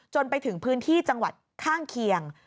ไปถึงพื้นที่จังหวัดข้างเคียง